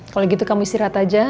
kalau gitu kamu istirahat aja